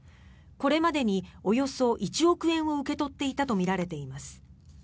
これまでにおよそ１億円を受け取っていたとみられています。